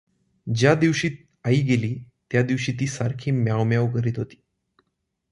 ज्या दिवशी आई गेली, त्या दिवशी ती सारखी म्यांव म्यांव करीत होती.